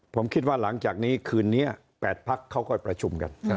ผมคิดว่าหลังจากนี้คืนนี้๘พักเขาก็ประชุมกัน